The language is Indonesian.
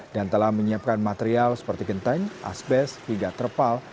dan telah menyiapkan material seperti genteng asbest hingga trepal